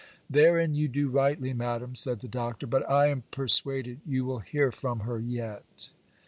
'Therein you do rightly, madam,' said the Doctor, 'but I am persuaded you will hear from her yet.